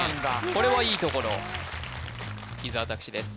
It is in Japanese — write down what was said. これはいいところ伊沢拓司です